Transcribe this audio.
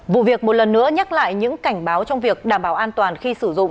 vụ việc một lần nữa nhắc lại những cảnh báo trong việc đảm bảo an toàn khi sử dụng